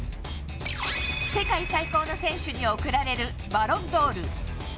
世界最高の選手に贈られるバロンドール。